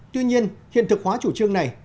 tuy nhiên hiện thực hóa chủ trương này